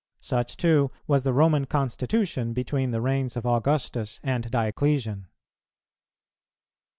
Such, too, was the Roman Constitution between the reigns of Augustus and Dioclesian.